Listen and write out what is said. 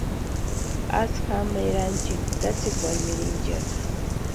Asï jama eranchini tatsikwari mirinchiaka.